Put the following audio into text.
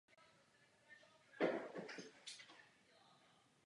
Je to jeho jediná známá lokalita na české straně Šumavy.